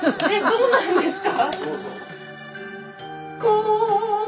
そうなんですか？